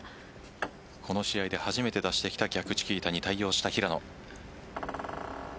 この試合で初めて出してきた逆チキータに対応した平野。